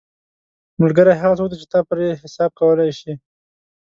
ملګری هغه څوک دی چې ته پرې حساب کولی شې